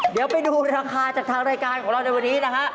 เดี๋ยวไปดูราคาจากทางรายการของเราในวันนี้นะฮะ